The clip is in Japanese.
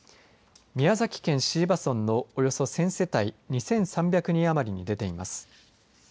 宮崎県椎葉村のおよそ１０００世帯２３００人余りに出ています。